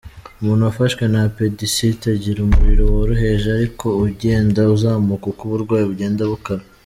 Umuntu wafashwe n’ appendicite agira umuriro woroheje ariko ujyenda uzamuka uko uburwayi bujyenda bukara.